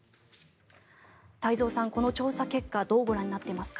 太蔵さん、この調査結果どうご覧になっていますか？